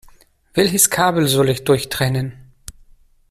Welches Kabel soll ich durchtrennen?